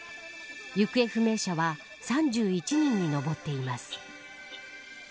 行方不明者は３１人に上っています。